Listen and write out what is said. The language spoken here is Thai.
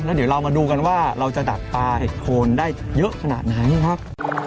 เดี๋ยวเรามาดูกันว่าเราจะดักปลาเห็ดโคนได้เยอะขนาดไหนครับ